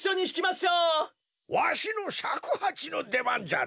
わしのしゃくはちのでばんじゃのぉ。